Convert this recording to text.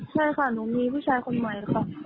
ใช่ค่ะหนูมีผู้ชายคนใหม่ค่ะ